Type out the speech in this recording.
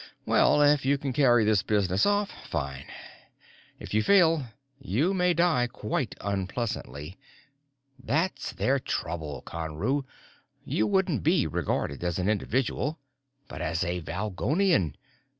"Well, if you can carry this business off fine. If you fail, you may die quite unpleasantly. That's their trouble, Conru: you wouldn't be regarded as an individual, but as a Valgolian.